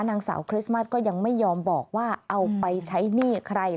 นางสาวคริสต์มัสก็ยังไม่ยอมบอกว่าเอาไปใช้หนี้ใคร